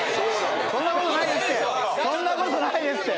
そんなことないですって。